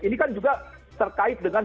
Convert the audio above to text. ini kan juga terkait dengan